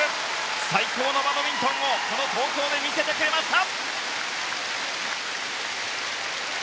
最高のバドミントンをこの東京で見せてくれました。